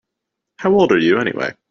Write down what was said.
How old are you anyway?